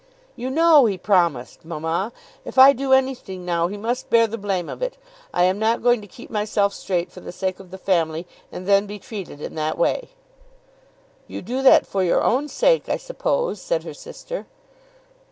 "You know he promised, mamma. If I do anything now he must bear the blame of it. I am not going to keep myself straight for the sake of the family, and then be treated in that way." "You do that for your own sake, I suppose," said her sister.